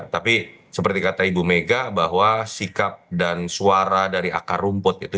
tapi seperti kata ibu mega bahwa sikap dan suara dari akar rumput itu